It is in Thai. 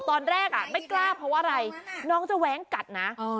ตอนแรกไม่กล้าเพราะว่าอะไรน้องจะแว้งกัดนะ